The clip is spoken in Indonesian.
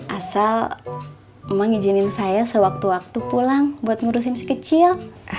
asal mama ngizinin saya sewaktu waktu pulang buat ngurusin si kecil